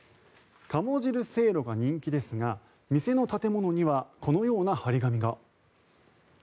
鴨汁せいろが人気ですが店の建物にはこのような貼り紙が。